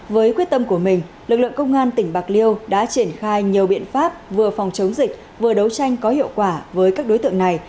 với quyết tâm của mình lực lượng công an tỉnh bạc liêu đã triển khai nhiều biện pháp vừa phòng chống dịch vừa đấu tranh có hiệu quả với các đối tượng này